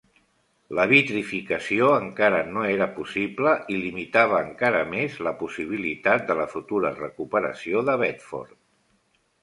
La vitrificació encara no era possible i limitava encara més la possibilitat de la futura recuperació de Bedford.